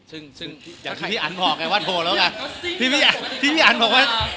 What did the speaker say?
อย่างที่พี่อันบอกไงว่าพี่พี่อันบอกว่า